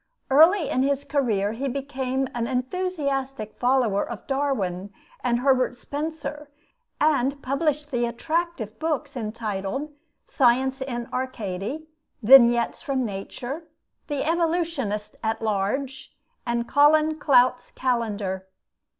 Early in his career he became an enthusiastic follower of Darwin and Herbert Spencer, and published the attractive books entitled 'Science in Arcady,' 'Vignettes from Nature,' 'The Evolutionist at Large,' and 'Colin Clout's Calendar.'